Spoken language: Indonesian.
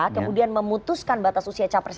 kemudian memutuskan batas usia capres